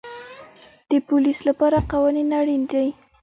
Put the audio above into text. د پولیس لپاره قانون اړین دی